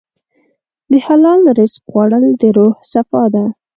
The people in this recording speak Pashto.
د حلال رزق خوړل د روح صفا ده.